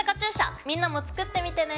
みんなも作ってみてね！